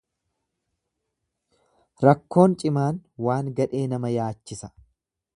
Rakkoon cimaan waan gadhee nama yaachisa.